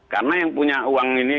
karena yang punya uang ini